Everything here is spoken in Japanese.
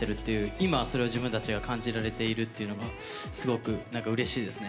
今それを自分たちが感じられているっていうのがすごくうれしいですね。